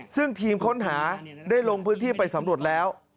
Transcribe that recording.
ซึ่งทีมค้นหาได้ลงพื้นที่ไปสำรวจแล้ว